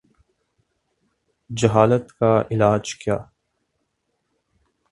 جہالت کا علاج کیا؟